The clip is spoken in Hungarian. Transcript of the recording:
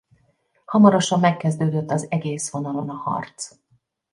Hamarosan megkezdődött az egész vonalon a harc.